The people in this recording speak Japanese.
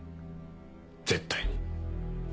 絶対に。